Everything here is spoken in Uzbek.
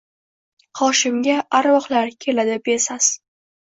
Qoshimga arvohlar keladi besas